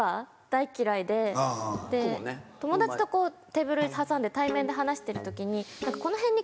友達とテーブル挟んで対面で話してる時に。